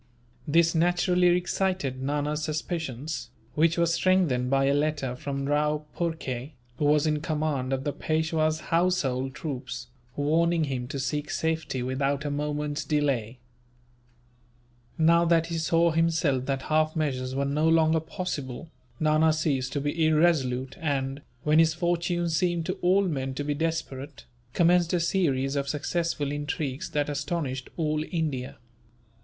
This naturally excited Nana's suspicions, which were strengthened by a letter from Rao Phurkay, who was in command of the Peishwa's household troops, warning him to seek safety without a moment's delay. Now that he saw that half measures were no longer possible, Nana ceased to be irresolute and, when his fortunes seemed to all men to be desperate, commenced a series of successful intrigues that astonished all India.